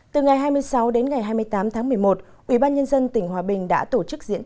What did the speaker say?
từ ngày hai mươi sáu đến ngày hai mươi tám tháng một mươi một